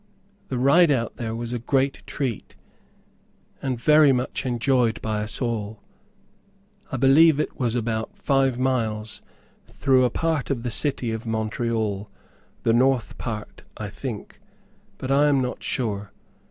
The ride out there was a great treat, and very much enjoyed by us all. I believe it was about five miles, through a part of the city of Montreal; the north part I think, but I am not sure.